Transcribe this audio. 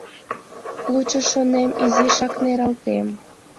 Лучо, шонем, изишак нералтем.